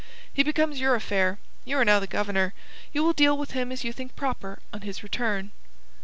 "He becomes your affair. You are now the Governor. You will deal with him as you think proper on his return.